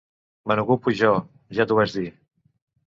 Me n'ocupo jo, ja t'ho vaig dir.